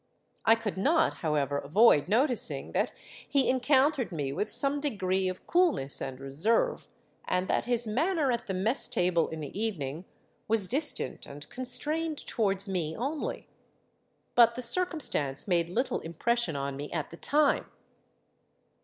I could not, however, avoid noticing that he encountered me with some degree of coolness and reserve, and that his manner at the mess table in the evening was distant and constrained towards me only. But the circumstance made little impression on me at the time.